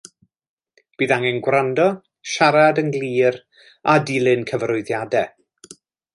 Bydd angen gwrando, siarad yn glir a dilyn cyfarwyddiadau.